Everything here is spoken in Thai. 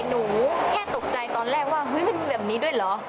หนูแค่ตกใจตอนแรกว่าเฮ้ยมันมีแบบนี้ด้วยเหรอ